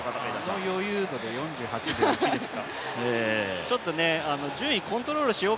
この余裕度で４８秒１ですか。